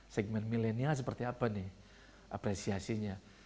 segmen milenial seperti apa nih apresiasinya